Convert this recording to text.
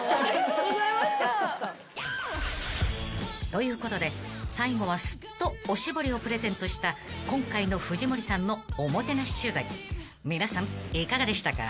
［ということで最後はスッとお絞りをプレゼントした今回の藤森さんのおもてなし取材皆さんいかがでしたか？］